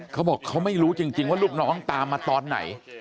เขาบอกเขาไม่รู้จริงว่าลูกน้องตามมาตอนไหน